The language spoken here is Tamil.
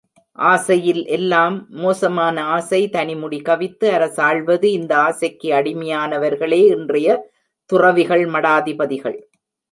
ஆசையில் எல்லாம் மோசமான ஆசை தனிமுடி கவித்து அரசாள்வது இந்த ஆசைக்கு அடிமையானவர்களே இன்றைய துறவிகள் மடாதிபதிகள்.